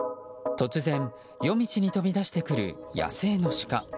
突然夜道に飛び出してくる野生のシカ。